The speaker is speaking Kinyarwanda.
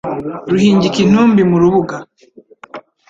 Ruhingika intumbi mu rubuga